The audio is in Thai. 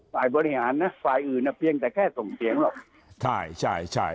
ฝ่ายบริหารนะฝ่ายอื่นน่ะเพียงแต่แค่ส่งเสียงหรอก